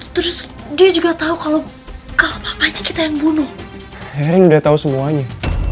terus dia juga tahu kalau apa aja kita yang bunuh akhirnya udah tahu semuanya